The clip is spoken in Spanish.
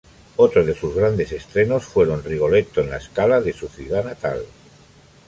Otro de sus grandes estrenos fueron "Rigoletto" en La Scala de su ciudad natal.